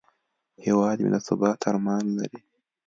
هیواد مې د ثبات ارمان لري